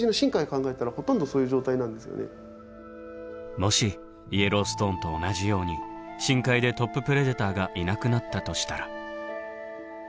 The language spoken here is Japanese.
もしイエローストーンと同じように深海でトッププレデターがいなくなったとしたら。